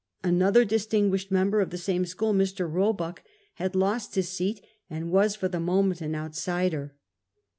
Another distinguished member of the same school, Mr. Roebuck, had lost his seat, and was for the moment an outsider.